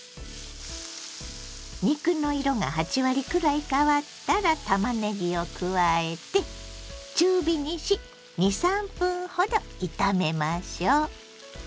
肉の色が８割くらい変わったらたまねぎを加えて中火にし２３分ほど炒めましょう。